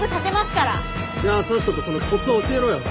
じゃあさっさとそのコツ教えろよ。